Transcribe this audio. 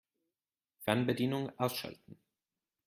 Fernbedienung ausschalten.